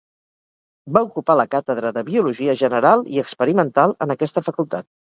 Va ocupar la càtedra de biologia general i experimental en aquesta facultat.